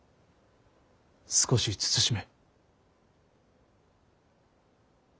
少し慎め。